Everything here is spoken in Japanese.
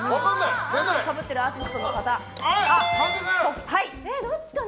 かぶっているアーティストの方。